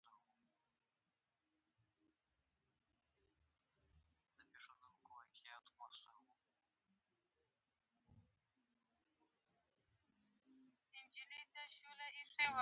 د اشرافیت نخښه پر نه ښکارېدله.